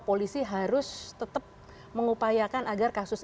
polisi harus tetap mengupayakan agar kasus